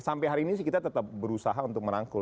sampai hari ini sih kita tetap berusaha untuk merangkul